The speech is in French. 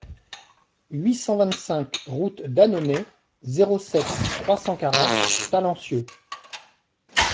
huit cent vingt-cinq route d'Annonay, zéro sept, trois cent quarante Talencieux